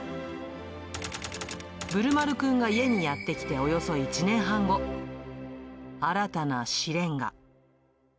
ぶるまるくんが家にやって来ておよそ１年半後、新たな試練が。